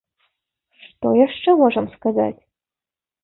Што яшчэ можам сказаць?